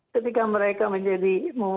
ketika mereka menjadi